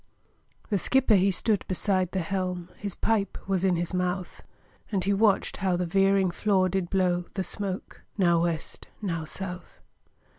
The skipper he stood beside the helm, His pipe was in his mouth, And he watched how the veering flaw did blow The smoke now West, now South.